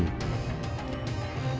pertanyaan dari pemeriksaan polda jambi